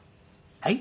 「はい？」。